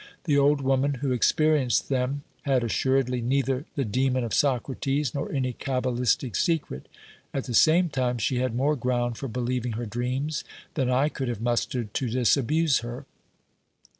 The old woman who experienced them had assuredly neither the demon of Socrates nor any cabalistic secret ; at the same time she had more ground for believing her dreams than I could have mustered to disabuse her.